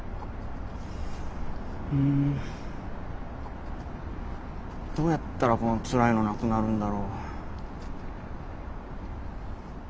うんどうやったらこのつらいのなくなるんだろう。